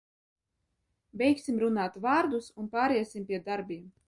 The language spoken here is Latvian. Beigsim runāt vārdus un pāriesim pie darbiem!